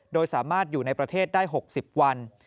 โดยสามารถอยู่ในประเทศได้๖๐วัน